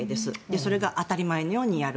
それが当たり前のようにやる。